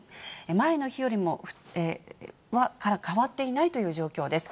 前の日からは変わっていないという状況です。